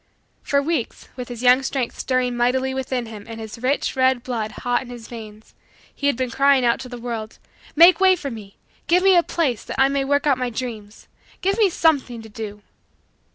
For weeks, with his young strength stirring mightily within him and his rich, red, blood hot in his veins, he had been crying out to the world: "Make way for me. Give me a place that I may work out my dreams. Give me something to do."